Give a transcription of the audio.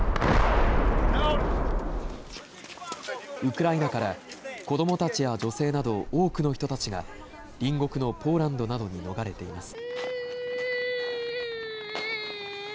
ウクライナから子どもたちや女性など多くの人たちが隣国のポーランドなどに逃れています。